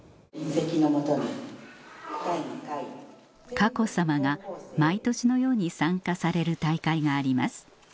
佳子さまが毎年のように参加される大会があります